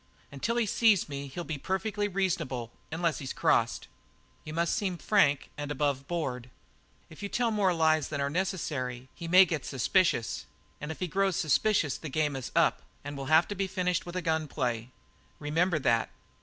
Until he sees me he'll be perfectly reasonable, unless he's crossed. You must seem frank and above board. If you tell more lies than are necessary he may get suspicious, and if he grows suspicious the game is up and will have to be finished with a gun play. Remember that.